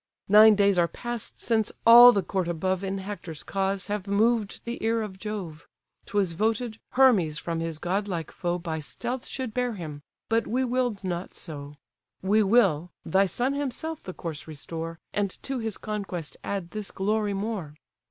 Nine days are past since all the court above In Hector's cause have moved the ear of Jove; 'Twas voted, Hermes from his godlike foe By stealth should bear him, but we will'd not so: We will, thy son himself the corse restore, And to his conquest add this glory more.